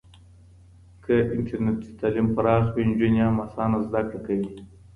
که انټرنېټي تعلیم پراخ وي، نجونې هم اسانه زده کړه کوي.